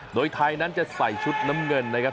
โดยไทยนั้นจะใส่ชุดน้ำเงินนะครับ